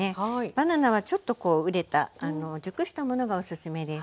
バナナはちょっとこう熟れた熟したものがおすすめです。